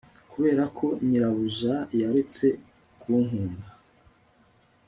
kuberako nyirabuja yaretse kunkunda